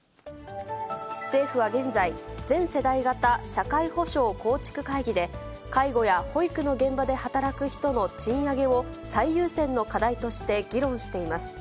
政府は現在、全世代型社会保障構築会議で、介護や保育の現場で働く人の賃上げを最優先の課題として議論しています。